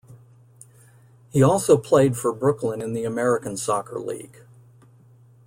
He also played for Brooklyn in the American Soccer League.